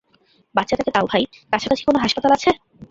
বাচ্চাটাকে দাও - ভাই, কাছাকাছি কোন হাসপাতাল আছে?